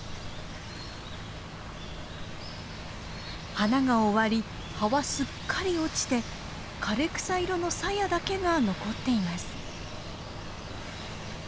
花が終わり葉はすっかり落ちて枯れ草色のさやだけが残っています。